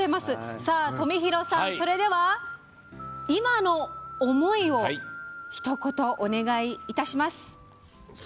冨廣さん、それでは今の思いをひと言お願いいたします。